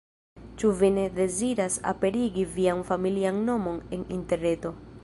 Ĉu vi ne deziras aperigi vian familian nomon en Interreto?